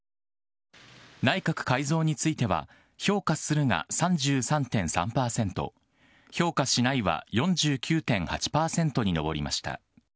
内閣改造については評価するが３３．３％、評価しないは４９．８％に上りました。